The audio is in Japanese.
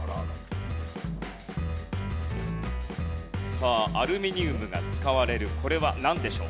さあアルミニウムが使われるこれはなんでしょう？